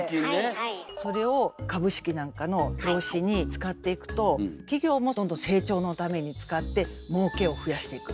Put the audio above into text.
それを株式なんかの投資に使っていくと企業もどんどん成長のために使ってもうけを増やしていく。